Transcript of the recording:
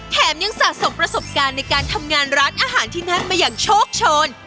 แถมยังสะสมประสบการณ์ในการทำงานร้านอาหารที่นั่นมาอย่างโชคโชน